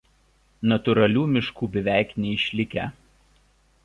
Natūralių miškų beveik neišlikę.